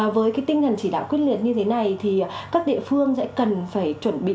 với tinh thần chỉ đạo quyết liệt như thế này thì các địa phương sẽ cần phải chuẩn bị